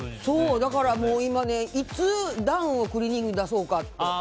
だからもう今、いつダウンをクリーニングに出そうかって。